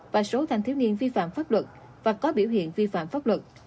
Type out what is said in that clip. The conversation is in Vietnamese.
và số thành thiếu nghiên vi phạm pháp luật và có biểu hiện vi phạm pháp luật